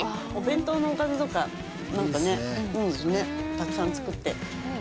たくさん作って。